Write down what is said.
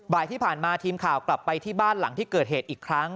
บ่ายที่ผ่านมาทีมข่าวกลับไปที่บ้านหลังที่เกิดเหตุอีกครั้ง